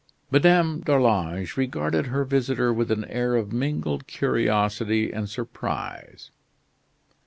Madame d'Arlange regarded her visitor with an air of mingled curiosity and surprise.